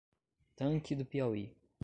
Tanque do Piauí